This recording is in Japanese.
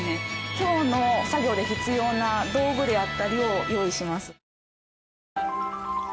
今日の作業で必要な道具であったりを用意します。